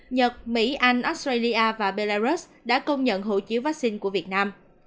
nhật mỹ anh australia và belarus đã công nhận hộ chiếu vaccine của việt nam